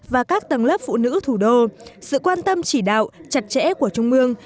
và các tầng lớp phụ nữ thủ đô sự quan tâm chỉ đạo chặt chẽ của trung ương